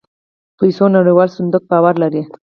پيسو نړيوال صندوق باور لري.